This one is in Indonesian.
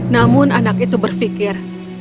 namun anak itu berfikir